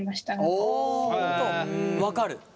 分かる。